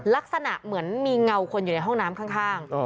ลักษณะเหมือนมีเงาคนอยู่ในห้องน้ำข้าง